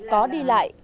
có đi lại